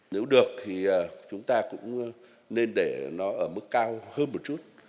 nếu được thì chúng ta cũng nên để nó ở mức cao hơn một chút